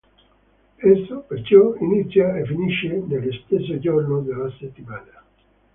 Esso, perciò, inizia e finisce nello stesso giorno della settimana.